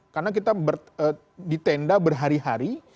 karena kita di tenda berhari hari